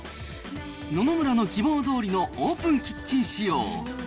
野々村の希望どおりのオープンキッチン仕様。